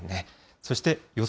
そして予想